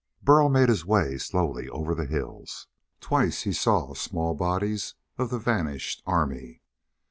Burl made his way slowly over the hills. Twice he saw small bodies of the vanished army.